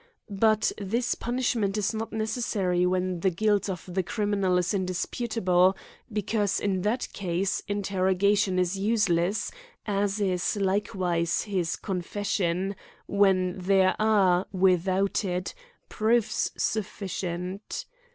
But this punishment is not necessary when the guilt of the criminal is indisputable ; because in that case interrogation is useless, as is likewise his confession, when there are, without it, proofs suf ficient.